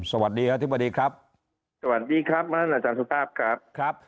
สวัสดีครับสวัสดีครับมาธนาจารย์สุภาพครับ